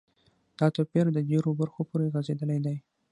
دا توپیر د ډیرو برخو پوری غځیدلی دی.